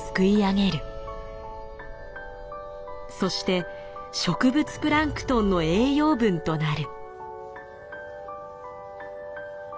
そして植物プランクトンの栄養分となる。